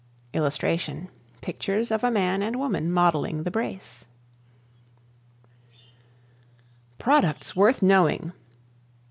[Illustration: Pictures of a man and woman modeling the brace.] Products Worth Knowing.